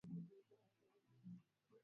Hata hivyo mwaka elfu moja mia tano na tano